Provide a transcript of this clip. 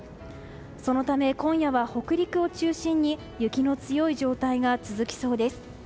そのため今夜は北陸を中心に雪の強い状態が続きそうです。